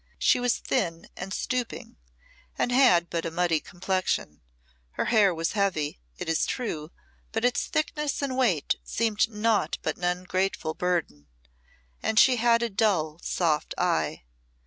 She was thin and stooping, and had but a muddy complexion; her hair was heavy, it is true, but its thickness and weight seemed naught but an ungrateful burden; and she had a dull, soft eye.